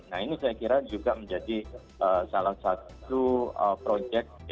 nah ini saya kira juga menjadi salah satu proyek